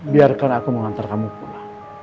biarkan aku mengantar kamu pulang